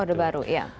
oh baru ya